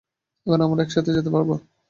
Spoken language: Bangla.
এবার আমরা একসাথে যেতে পারব।